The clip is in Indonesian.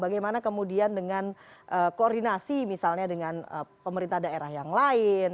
bagaimana kemudian dengan koordinasi misalnya dengan pemerintah daerah yang lain